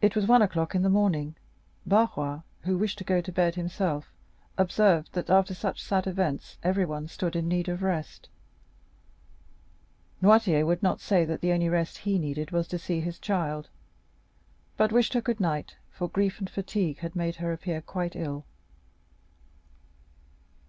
It was one o'clock in the morning. Barrois, who wished to go to bed himself, observed that after such sad events everyone stood in need of rest. Noirtier would not say that the only rest he needed was to see his child, but wished her good night, for grief and fatigue had made her appear quite ill.